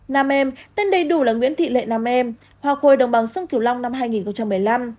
nam em tên đầy đủ là nguyễn thị lệ nam em hoa khôi đồng bằng sương kiều long năm hai nghìn một mươi năm